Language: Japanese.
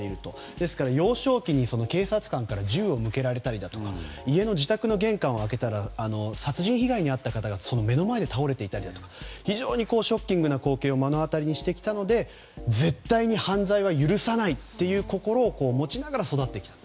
ですから幼少期に、警察官から銃を向けられたりだとか自宅の玄関を開けたら殺人被害に遭った方が目の前で倒れていたりだとか非常にショッキングな光景を目の当たりにしてきたので絶対に犯罪は許さないという心を持ちながら育ってきたと。